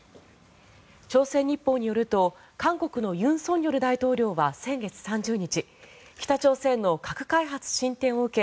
朝鮮日報によると韓国の尹錫悦大統領は先月３０日北朝鮮の核開発進展を受け